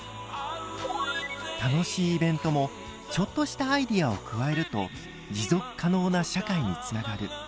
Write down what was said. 楽しいイベントもちょっとしたアイデアを加えると持続可能な社会につながる。